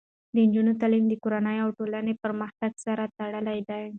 د نجونو تعلیم د کورنیو او ټولنې پرمختګ سره تړلی دی.